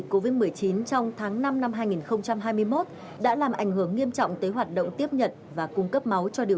cũng như là tăng nhiều phòng lấy máu cũng như đảm bảo an toàn phòng chống